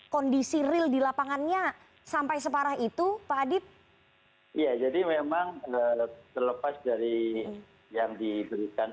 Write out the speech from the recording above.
kondisi ril di lapangannya sampai separah itu pak adib iya jadi memang lelepaskan dari yang diberikan